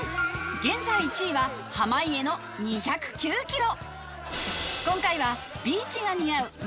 現在１位は濱家の２０９キロ